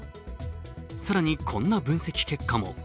更にこんな分析結果も。